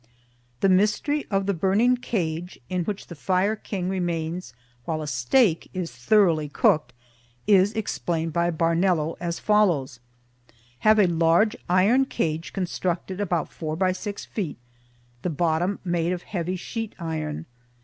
The mystery of the burning cage, in which the Fire King remains while a steak is thoroughly cooked, is explained by Barnello as follows: Have a large iron cage constructed about 4 x 6 feet, the bottom made of heavy sheet iron.